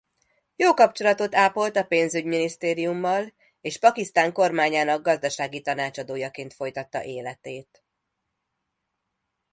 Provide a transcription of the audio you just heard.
Jó kapcsolatot ápolt a Pénzügyminisztériummal és Pakisztán kormányának gazdasági tanácsadójaként folytatta életét.